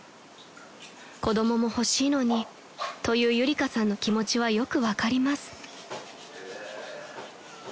［子供も欲しいのにというゆりかさんの気持ちはよく分かります］